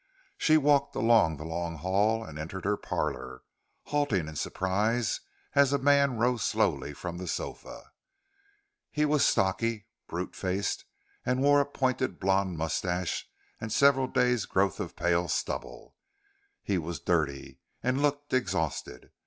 She walked along the long hall and entered her parlor, halting in surprise as a man rose slowly from the sofa. He was stocky, brute faced, and wore a pointed blond mustache and several days growth of pale stubble. He was dirty and looked exhausted.